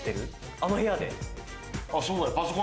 あの部屋で。